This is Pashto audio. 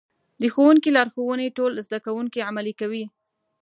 د ښوونکي لارښوونې ټول زده کوونکي عملي کوي.